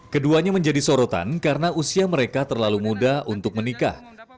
keduanya menjadi sorotan karena usia mereka terlalu muda untuk menikah